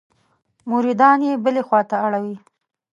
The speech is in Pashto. مریدان یې بلې خوا ته اړوي.